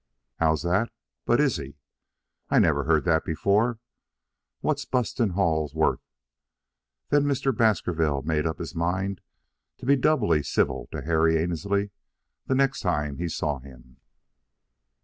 "How's that? But is he? I never heard that before. What's Buston Hall worth?" Then Mr. Baskerville made up his mind to be doubly civil to Harry Annesley the next time he saw him.